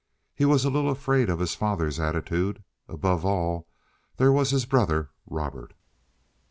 He was a little afraid of his father's attitude; above all, there was his brother Robert.